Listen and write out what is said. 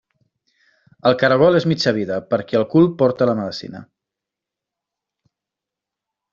El caragol és mitja vida, perquè al cul porta la medecina.